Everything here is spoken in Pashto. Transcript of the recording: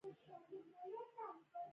تر انتظار لوړ دي.